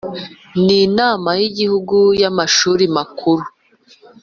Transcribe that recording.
N inama y igihugu y amashuri makuru